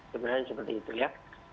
sebenarnya seperti itu ya